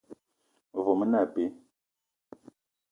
Mevo me ne abe.